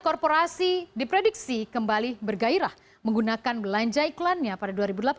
korporasi diprediksi kembali bergairah menggunakan belanja iklannya pada dua ribu delapan belas